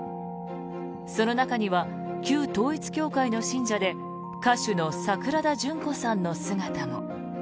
その中には旧統一教会の信者で歌手の桜田淳子さんの姿も。